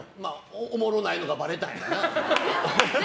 おもろないのがばれたんやな。